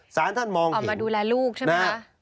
สารท่านมองออกมาดูแลลูกใช่ไหมคะ